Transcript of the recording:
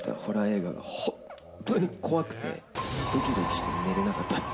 最近、３日前に見たホラー映画が本当に怖くて、どきどきして寝れなかったです。